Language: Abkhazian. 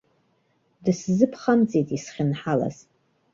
Дысзыԥхамҵеит исхьынҳалаз.